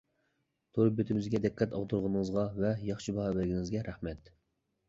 تور بېتىمىزگە دىققەت ئاغدۇرغىنىڭىزغا ۋە ياخشى باھا بەرگىنىڭىزگە رەھمەت.